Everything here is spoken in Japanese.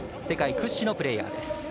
世界屈指のプレーヤーです。